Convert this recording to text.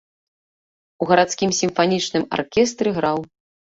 У гарадскім сімфанічным аркестры граў.